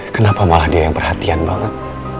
kenapa malah dia yang perhatian banget